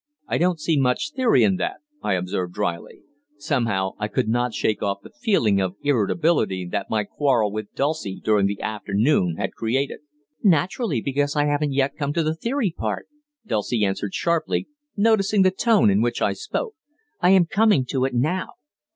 "I don't see much 'theory' in that," I observed drily. Somehow I could not shake off the feeling of irritability that my quarrel with Dulcie during the afternoon had created. "Naturally, because I haven't yet come to the theory part," Dulcie answered sharply, noticing the tone in which I spoke. "I am coming to it now.